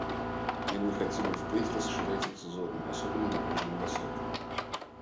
И мы хотим и впредь расширять эти зоны, особенно на Ближнем Востоке.